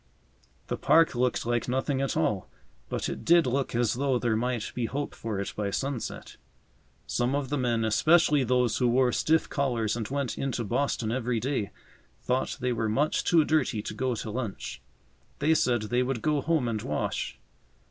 The park looked like nothing at all, but it did look as though there might be hope for it by sunset. Some of the men, especially those who wore stiff collars and went into Boston every day, thought they were much too dirty to go to lunch. They said they would go home and wash.